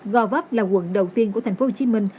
govap là quận đầu tiên của thành phố hồ chí minh